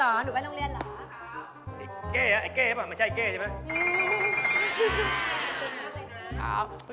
ไอ้เก่หรือเปล่าไม่ใช่ไอ้เก่นี่ไง